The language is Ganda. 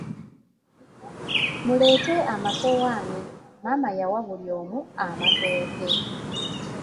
Muleete amasowaani, maama yawa buli omu amatooke.